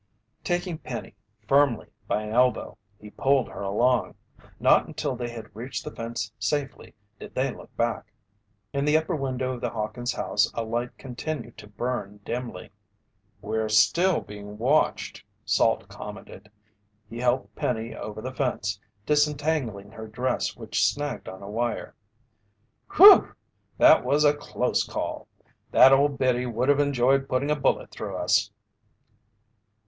Taking Penny firmly by an elbow, he pulled her along. Not until they had reached the fence safely did they look back. In the upper window of the Hawkins' house a light continued to burn dimly. "We're still being watched," Salt commented. He helped Penny over the fence, disentangling her dress which snagged on a wire. "Whew! That was a close call! That old biddy would have enjoyed putting a bullet through us!"